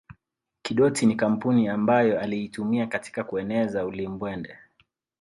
Kidoti ni kampuni ambayo aliitumia katika kueneza ulimbwende